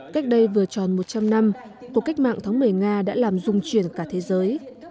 cách đây vừa tròn một trăm linh năm cuộc cách mạng tháng một mươi nga đã làm dung chuyển cả thế giới